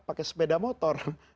pakai sepeda motor